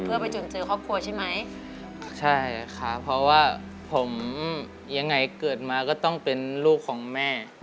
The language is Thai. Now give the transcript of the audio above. เพื่อไปจุนเจอครอบครัวใช่ไหมใช่ค่ะเพราะว่าผมยังไงเกิดมาก็ต้องเป็นลูกของแม่